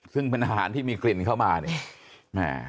ซึ่งเป็นอาหารที่มีกลิ่นเข้ามาเนี่ยแม่